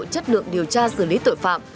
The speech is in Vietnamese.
chất lượng điều tra xử lý tội phạm